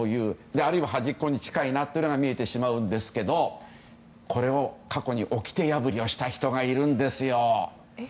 あるいは端っこに近いなというのが見えてしまうんですけど過去におきて破りをした人がいるんですよ。